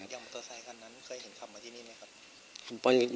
มอเตอร์ไซคันนั้นเคยเห็นขับมาที่นี่ไหมครับ